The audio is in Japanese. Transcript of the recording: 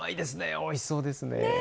おいしそうですね。